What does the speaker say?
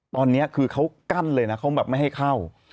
ตอนนี้คือเขากั้นเลยนะเขาแบบไม่ให้เข้า